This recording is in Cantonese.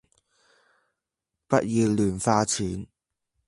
不要亂花錢